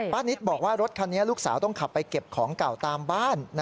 นิตบอกว่ารถคันนี้ลูกสาวต้องขับไปเก็บของเก่าตามบ้าน